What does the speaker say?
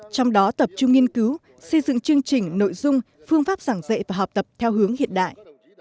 trong đó tập trung nghiên cứu xây dựng chương trình nội dung phương pháp giảng dạy và học tập theo hướng hiện đại